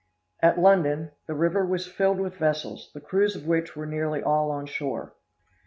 At London, the river was filled with vessels, the crews of which were nearly all on shore.